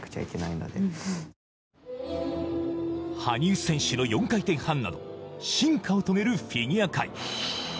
羽生選手の４回転半など、進化を遂げるフィギュア界。